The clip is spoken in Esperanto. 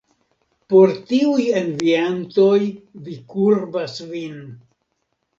Por tiuj enviantoj vi kurbas vin!